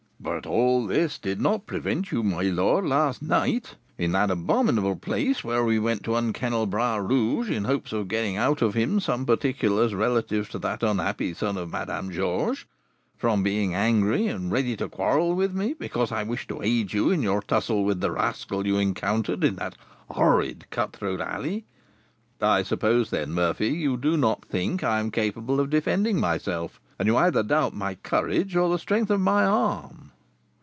"But all this did not prevent you, my lord, last night (in that abominable place where we went to unkennel Bras Rouge, in hopes of getting out of him some particulars relative to that unhappy son of Madame Georges), from being angry, and ready to quarrel with me, because I wished to aid in your tussle with the rascal you encountered in that horrid cut throat alley." "I suppose, then, Murphy, you do not think I am capable of defending myself, and you either doubt my courage or the strength of my arm?"